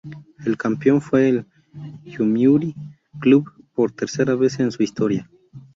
El campeón fue el Yomiuri Club, por tercera vez en su historia.